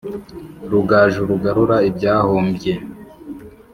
Rugaju rugarura ibyahombye